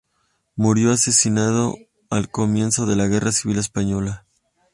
Murió asesinado al comienzo de la Guerra Civil Española.